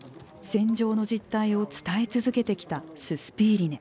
戦場の実態を伝え続けてきたススピーリネ。